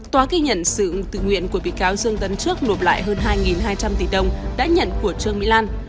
tòa ghi nhận sự tự nguyện của bị cáo dương tấn trước nộp lại hơn hai hai trăm linh tỷ đồng đã nhận của trương mỹ lan